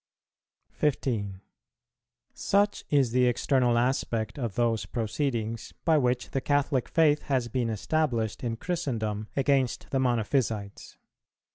15. Such is the external aspect of those proceedings by which the Catholic faith has been established in Christendom against the Monophysites.